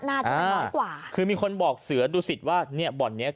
หน้าจะน้อยกว่าคือมีคนบอกเสือดูสิทธิ์ว่าเนี่ยบอร์ดเนี้ย